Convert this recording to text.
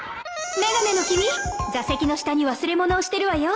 眼鏡の君座席の下に忘れ物をしてるわよ